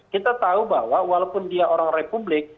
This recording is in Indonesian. kita tahu bahwa walaupun dia orang republik